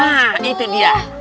nah itu dia